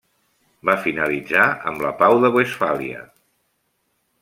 Va finalitzar amb la pau de Westfàlia.